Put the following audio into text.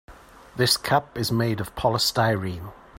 This cup is made of polystyrene.